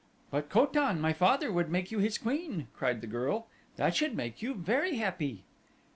"But Ko tan, my father, would make you his queen," cried the girl; "that should make you very happy."